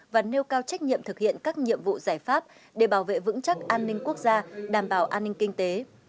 và nêu cao trách nhiệm thực hiện các nhiệm vụ giải pháp để bảo vệ vững chắc an ninh quốc gia đảm bảo an ninh kinh tế